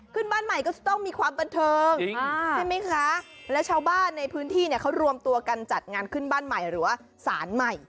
ขึ้นบ้านใหม่ก็จะต้องมีความบันเทิงใช่ไหมคะแล้วชาวบ้านในพื้นที่เนี่ยเขารวมตัวกันจัดงานขึ้นบ้านใหม่หรือว่าสารใหม่